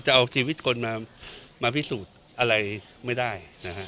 ตามนั้นก็ไม่ควรมาพิสูจน์อะไรไม่ได้